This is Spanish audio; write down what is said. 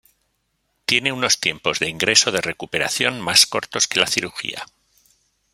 Tiene unos tiempos de ingreso de recuperación más cortos que la cirugía.